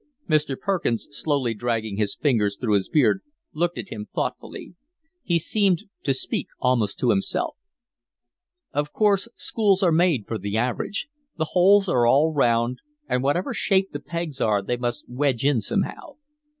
Mr. Perkins, slowly dragging his fingers through his beard, looked at him thoughtfully. He seemed to speak almost to himself. "Of course schools are made for the average. The holes are all round, and whatever shape the pegs are they must wedge in somehow.